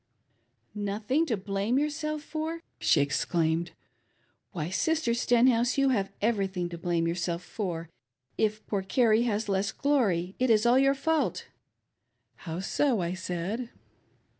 "Nothing ttf blame yourself for?" she exclaimed. " Why, Sister Stenhouse, you have everything to blame yourself for. If poor Carrie has less glory it is all your fault." " How so ?" I said.